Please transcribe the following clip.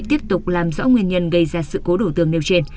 tiếp tục làm rõ nguyên nhân gây ra sự cố đổ tường nêu trên